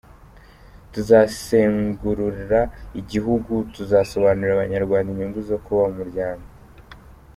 Tuzazengurua igihugu dusobanurira abanyarwanda inyungu zo kuba mu muryango.